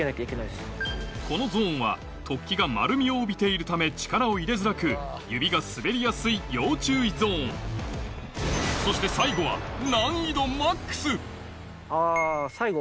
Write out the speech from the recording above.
このゾーンは突起が丸みを帯びているため力を入れづらく指が滑りやすい要注意ゾーンそして最後はあ最後。